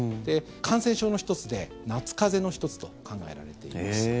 感染症の１つで夏風邪の１つと考えられてます。